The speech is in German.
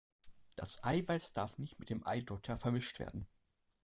Das Eiweiß darf nicht mit dem Eidotter vermischt werden!